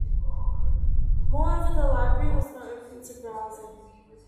Moreover, the library was not open to browsing.